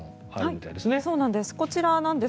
そうなんです。